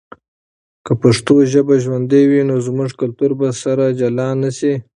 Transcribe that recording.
که پښتو ژبه ژوندی وي، نو زموږ کلتور به سره جلا نه سي.